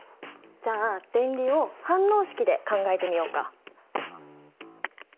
じゃあ電離を反応式で考えてみようか。